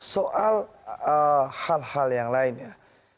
soal hal hal yang lainnya